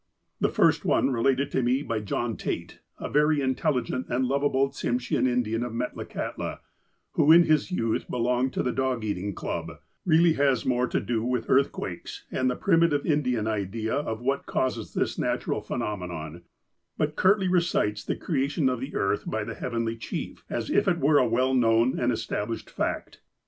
The first one, related to me by John Tait, a very in telligent and lovable Tsimshean Indian of Metlakahtla, who in his youth belonged to the dog eating club, really has more to do with earthquakes, and the primitive In dian idea of what causes this natural phenomenon ; but curtly recites the creation of the earth by the Heavenly Chief, as if it were a well known and established fact.